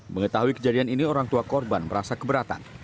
mengetahui kejadian ini orang tua korban merasa keberatan